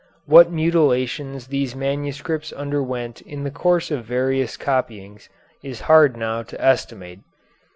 What mutilations these manuscripts underwent in the course of various copyings is hard now to estimate.